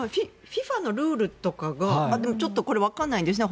ＦＩＦＡのルールとかがちょっとわからないですね